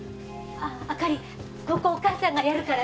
朱莉ここはお母さんがやるから。